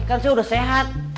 kan saya udah sehat